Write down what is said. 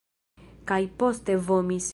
Kaj poste vomis.